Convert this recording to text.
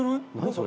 それ」